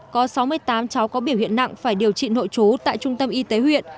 có sáu mươi tám cháu có biểu hiện nặng phải điều trị nội trú tại trung tâm y tế huyện